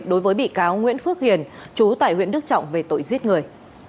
đối với bị cáo nguyễn phước hiền chú tại huyện đức trọng về tội giết người